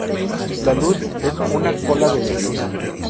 La luz es una cola de energía.